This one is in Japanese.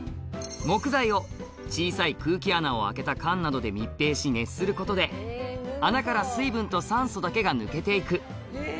木材を小さい空気穴を開けた缶などで密閉し、熱することで、穴から水分と酸素だけが抜けていく。